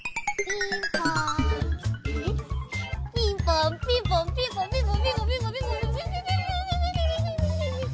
ピンポンピンポンピンポンピンポンピピピピピピ！